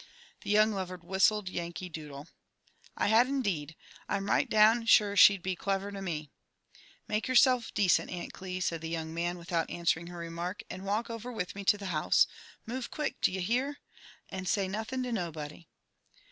The young lover whistled Yankee Doodle. ''I had indeed, Jonathan ; I'm right down sure she'd be clever to tf ^ "Make yourself decent, Aunt Cli," said the young man, without answering her remark, "and walk over with me to the house; move quick, d'ye hear I and say nothing to nobody."